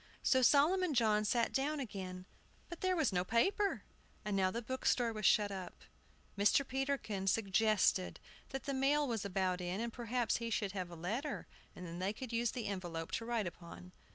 So Solomon John sat down again, but there was no paper. And now the bookstore was shut up. Mr. Peterkin suggested that the mail was about in, and perhaps he should have a letter, and then they could use the envelope to write upon.